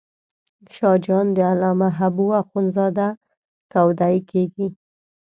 شاه جان د علامه حبو اخند زاده کودی کېږي.